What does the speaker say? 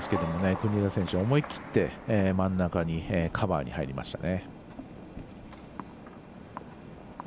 国枝選手は、思い切って真ん中にカバーに入りましたね。